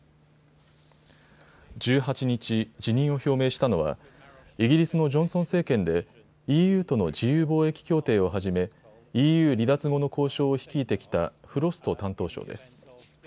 １８日、辞任を表明したのはイギリスのジョンソン政権でＥＵとの自由貿易協定をはじめＥＵ離脱後の交渉を率いてきたフロスト担当相です。